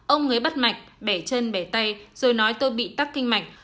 ông ấy bắt mạch bẻ chân bẻ tay rồi nói tôi bị tắc kinh mạch